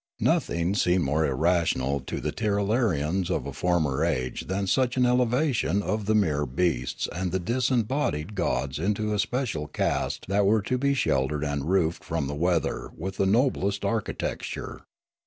Nothing seemed more irrational to the Tirralarians of a former age than such an elevation of the mere beasts and the disembodied gods into a special caste that were to be sheltered and roofed from the weather with the noblest architecture.